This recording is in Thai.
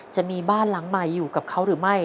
จะมีบ้านหลังใหม่อยู่กับเขาหรือไม่